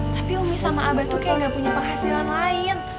tapi umi sama abah tuh kayak gak punya penghasilan lain